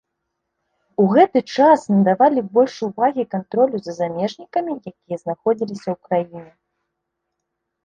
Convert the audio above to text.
У гэты час надавалі больш увагі кантролю за замежнікамі якія знаходзіліся ў краіне.